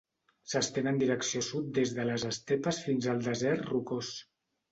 S'estén en direcció sud des de les estepes fins al desert rocós.